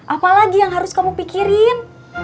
apalagi yang harus kamu pikirin